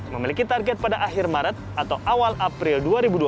memiliki target pada akhir maret atau awal april dua ribu dua puluh